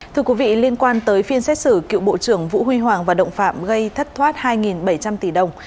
thưa quý vị liên quan tới phiên xét xử cựu bộ trưởng vũ huy hoàng và động phạm gây thất thoát hai bảy trăm linh tỷ đồng